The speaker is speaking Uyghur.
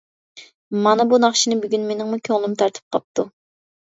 مانا بۇ ناخشىنى بۈگۈن مېنىڭمۇ كۆڭلۈم تارتىپ قاپتۇ.